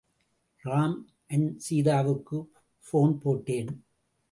Ram... and சீதாவுக்கு phone போட்டேன்.